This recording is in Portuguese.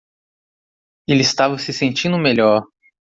Ele estava se sentindo melhor